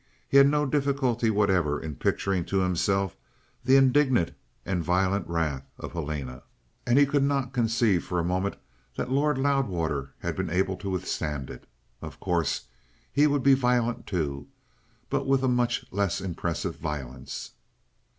He had no difficulty whatever in picturing to himself the indignant and violent wrath of Helena, and he could not conceive for a moment that Lord Loudwater had been able to withstand it. Of course, he would be violent, too, but with a much less impressive violence.